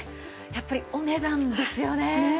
やっぱりお値段ですよね。